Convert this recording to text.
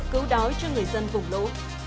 cứu đói cho người dân vùng lũ